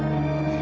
kamu keren banget